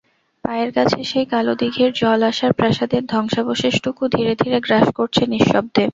পায়ের কাছে সেই কালো দিঘির জল আশার প্রাসাদের ধ্বংসাবশেষটুকু ধীরে ধীরে গ্রাস করছে নিঃশব্দে!